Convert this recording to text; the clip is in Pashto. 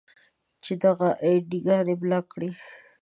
چې دغه اې ډي ګانې بلاک کړئ.